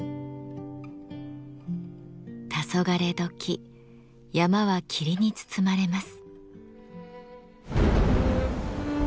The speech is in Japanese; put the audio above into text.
たそがれ時山は霧に包まれます。